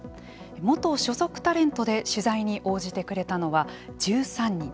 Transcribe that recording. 元所属タレントで取材に応じてくれたのは１３人。